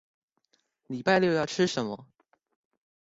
禮拜六要吃什麼